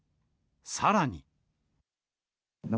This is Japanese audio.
さらに。